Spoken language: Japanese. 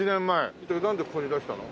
なんでここに出したの？